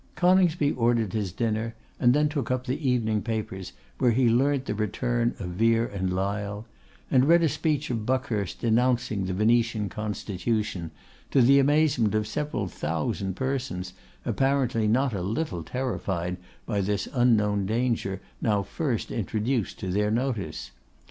Coningsby ordered his dinner, and then took up the evening papers, where he learnt the return of Vere and Lyle; and read a speech of Buckhurst denouncing the Venetian Constitution, to the amazement of several thousand persons, apparently not a little terrified by this unknown danger, now first introduced to their notice.